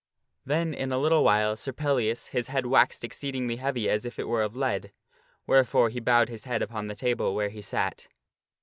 Then in a little while Sir Pellias his head waxed exceedingly heavy as if it were of lead, wherefore he bowed his head upon the table where he sat.